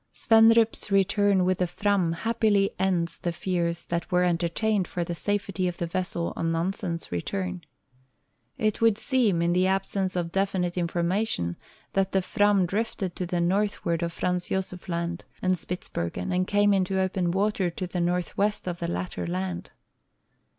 Svendrup's return with the Fram happily ends the fears that were entertained for the safety of the vessel on Nansen's return. It would seem, in the absence of definite information, that the Fram drifted to the northward of Franz Josef land and Spitz bergen and came into open water to the northwest of the latter land.